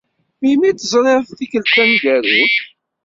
Melmi t-teẓriḍ tikkelt taneggarut?